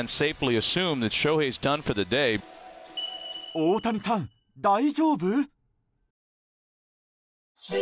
大谷さん、大丈夫？